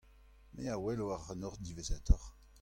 Me a welo ac'hanoc'h diwezhatoc'h.